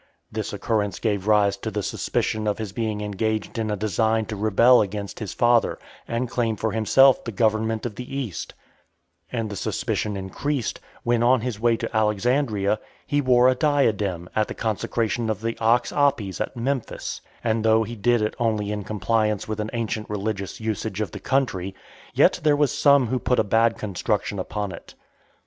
This occurrence gave rise to the suspicion of his being engaged in a design to rebel against his father, and claim for himself the government of the East; and the suspicion increased, when, on his way to Alexandria, he wore a diadem at the consecration of the ox Apis at Memphis; and, though he did it only in compliance with an ancient religious usage of the country, yet there was some who put a bad construction upon it.